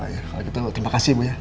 oke kalau gitu terima kasih ya